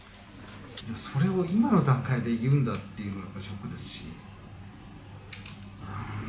それを今の段階で言うんだっていうのがショックですし。